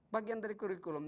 bagian dari kurikulum